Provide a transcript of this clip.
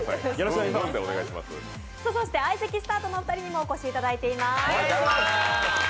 相席スタートのお二人にもお越しいただいています。